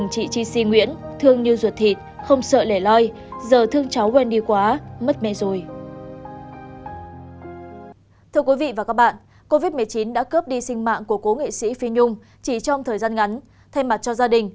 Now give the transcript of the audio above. chỉ trong thời gian ngắn thay mặt cho gia đình